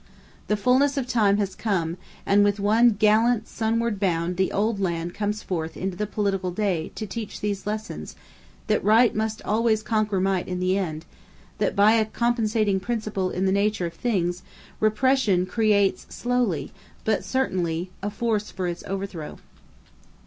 The fulness of time has come, and with one gallant sunward bound the "old land" comes forth into the political day to teach these lessons, that Right must always conquer Might in the end—that by a compensating principle in the nature of things, Repression creates slowly, but certainly, a force for its overthrow.